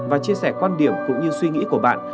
và chia sẻ quan điểm cũng như suy nghĩ của bạn